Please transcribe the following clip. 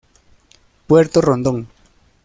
Puerto Rondón